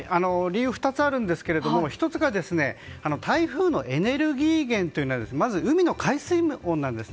理由は２つありますが１つは台風のエネルギー源というのはまず海の海水温なんです。